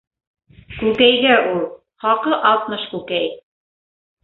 Күкәйгә ул. Хаҡы - алтмыш күкәй.